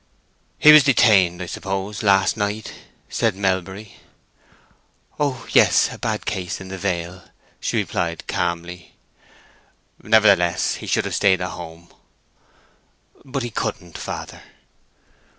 "He was detained, I suppose, last night?" said Melbury. "Oh yes; a bad case in the vale," she replied, calmly. "Nevertheless, he should have stayed at home." "But he couldn't, father."